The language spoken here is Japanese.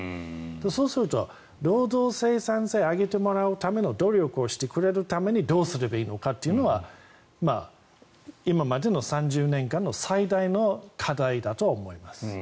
そうすると労働生産性を上げてもらうための努力をしてくれるためにどうすればいいのかというのは今までの３０年間の最大の課題だと思います。